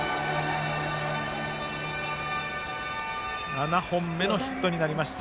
７本目のヒットになりました。